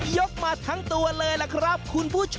กมาทั้งตัวเลยล่ะครับคุณผู้ชม